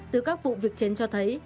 từ các vụ việc chiến cho thấy